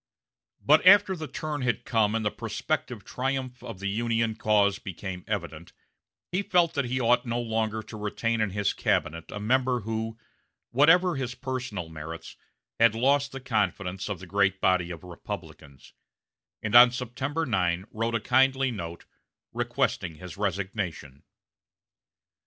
But after the turn had come, and the prospective triumph of the Union cause became evident, he felt that he ought no longer to retain in his cabinet a member who, whatever his personal merits, had lost the confidence of the great body of Republicans; and on September 9 wrote him a kindly note, requesting his resignation.